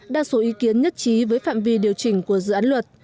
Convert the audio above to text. đa số ý kiến nhất trí với phạm vi điều chỉnh của dự án luật